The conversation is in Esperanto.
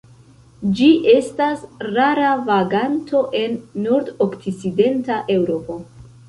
Ĝi estas rara vaganto en nordokcidenta Eŭropo.